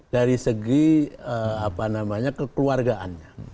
dari segi kekeluargaannya